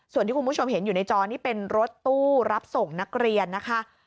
ส่วนที่คุณผู้ชมเห็นอยู่ในจอนี่เป็นรถตู้รับส่งนักเรียนนะคะ